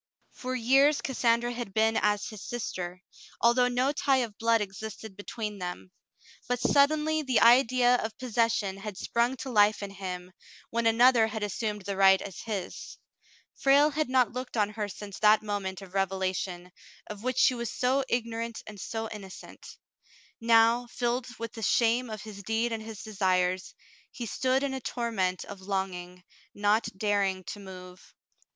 For years Cassandra had been as his sister, although no tie of blood existed between them, but suddenly the idea of 42 The Mountain Girl possession had sprung to life in him, when another had assumed the right as his. Frale had not looked on her since that moment of revelation, of which she was so igno rant and so innocent. Now, filled with the shame of his deed and his desires, he stood in a torment of longing, not daring to move.